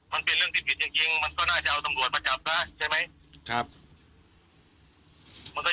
มันก็ยังติดคุกได้ใช่ไหมพี่